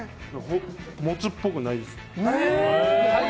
モツっぽくないです。